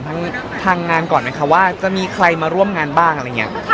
ทางงานก่อนไหมคะว่าจะมีใครมาร่วมงานบ้างอะไรอย่างนี้